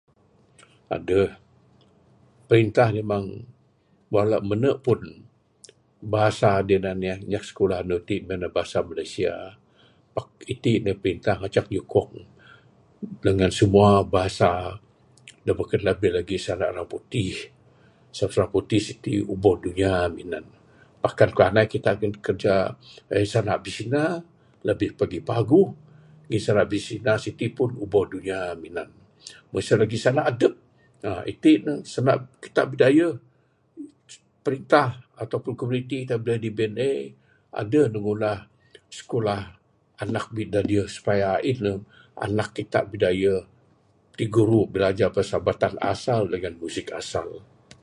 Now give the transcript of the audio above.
Adeh perintah meng walau mene pun bahasa da tinan inya sikulah iti ne bahasa Malaysia. Pak iti perintah ngancak nyukong dangan simua bahasa beken labih lagi sanda riputih. Sebab sanda riputih siti ubo dunia minan ne. Pak panai kita bin kerja kita sanda bisina labih lagi paguh ngin sanda bisina siti pun ubo dunia minan ne . Meng sien lagih sanda adep, iti ne sanda kita bidayuh . Perintah ato pun komuniti DBNA adeh ne ngunah sikulah anak bidayuh supaya ain ne anak kita bidayuh tiguru bilajar bahasa batan asal dangan music asal.